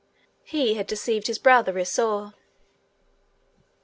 He had deceived his brother Esau.